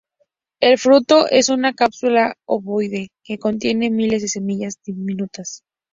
El fruto es una cápsula ovoide que contiene miles de semillas diminutas.